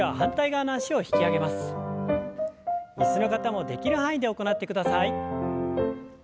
椅子の方もできる範囲で行ってください。